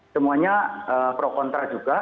semuanya pro kontra juga